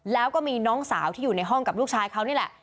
แล้วก็มีน้องสาวที่อยู่ในห้องกับลูกชายเขานี่แหละ